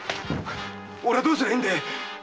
俺はどうすりゃいいんだ